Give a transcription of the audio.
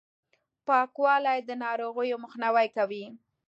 پاکوالي، د ناروغیو مخنیوی کوي!